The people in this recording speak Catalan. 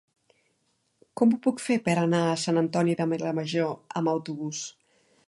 Com ho puc fer per anar a Sant Antoni de Vilamajor amb autobús?